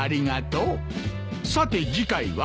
さて次回は。